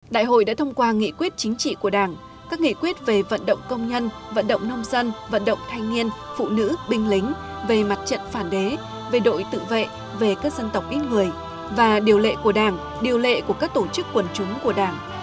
đại hội đã thông qua nghị quyết chính trị của đảng các nghị quyết về vận động công nhân vận động nông dân vận động thanh niên phụ nữ binh lính về mặt trận phản đế về đội tự vệ về các dân tộc ít người và điều lệ của đảng điều lệ của các tổ chức quần chúng của đảng